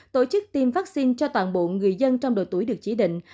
tổ chức tiêm vaccine cho toàn bộ người dân trong độ tuổi được chỉ định